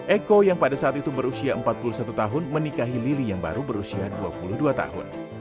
eko yang pada saat itu berusia empat puluh satu tahun menikahi lili yang baru berusia dua puluh dua tahun